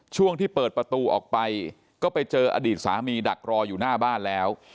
ช่วงที่เปิดประตูออกไปก็ไปเจออดีตสามีดักรออยู่หน้าบ้านแล้ว